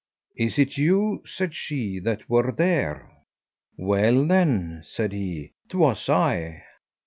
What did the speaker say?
"Is it you," said she, "that were there?" "Well then," said he, "'twas I."